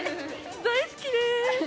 大好きでーす。